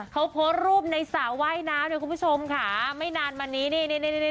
เขาโพสต์รูปในสระว่ายน้ำเนี่ยคุณผู้ชมค่ะไม่นานมานี้นี่นี่